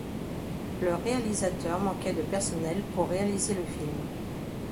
Le réalisateur manquait de personnel pour réaliser le film.